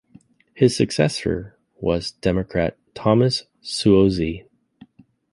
His successor was Democrat Thomas Suozzi.